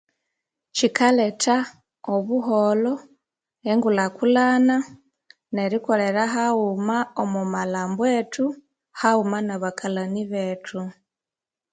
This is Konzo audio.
Kyikaleta obuholho, enkulakulana nerikolhera haghuma omo malambo wethu haghuma na bakalani bethu.